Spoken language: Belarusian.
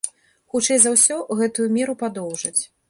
Хутчэй за ўсё, гэтую меру падоўжаць.